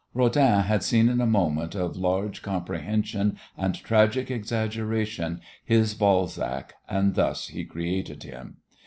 Rodin had seen in a moment of large comprehension and tragic exaggeration his Balzac and thus he created him.